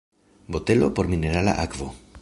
Botelo por minerala akvo.